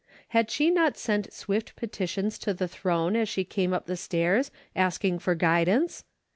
Had she not sent swift petitions to the throne as she came up the stairs asking for guidance